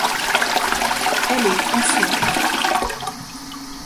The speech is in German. Er lebt in Zürich.